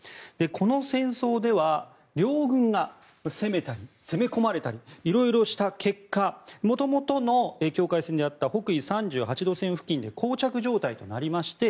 この戦争では両軍が、攻めたり攻め込まれたりいろいろした結果もともとの境界線であった北緯３８度線付近で膠着状態となりまして